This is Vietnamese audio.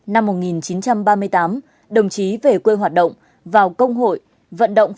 năm một nghìn chín trăm ba mươi tám đồng chí về quê hoạt động